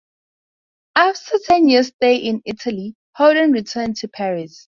After ten years stay in Italy, Houdon returned to Paris.